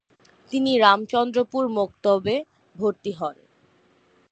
তিনি রামচন্দ্রপুর মক্তব-এ ভর্তি হন।